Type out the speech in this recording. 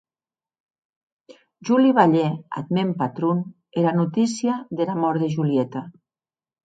Jo li balhè ath mèn patron era notícia dera mòrt de Julieta.